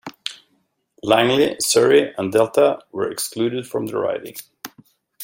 Langley, Surrey and Delta were excluded from the riding.